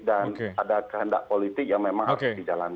dan ada kehendak politik yang memang harus dijalankan